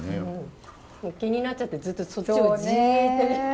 気になっちゃってずっとそっちをジッと。